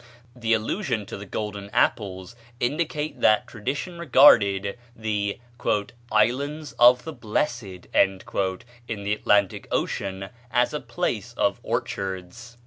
The allusions to the golden apples indicate that tradition regarded the "Islands of the Blessed" in the Atlantic Ocean as a place of orchards.